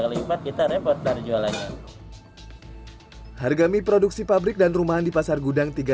kalimat kita repot dari jualannya harga mie produksi pabrik dan rumahan di pasar gudang tiga